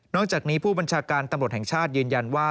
จากนี้ผู้บัญชาการตำรวจแห่งชาติยืนยันว่า